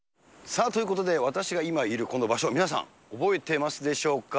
さあということで、私が今、いるこの場所、皆さん覚えてますでしょうか。